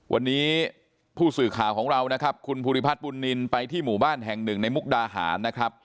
วันนี้ผู้สื่อข่าวของเราคุณภูริพัฒน์ปุ่นนินไปที่หมู่บ้านแห่ง๑ในมุกดาหาร